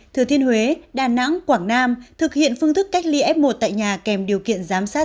thừa thiên huế đà nẵng quảng nam thực hiện phương thức cách ly f một tại nhà kèm điều kiện giám sát